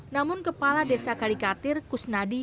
namun kepala desa kalikatir kusnadi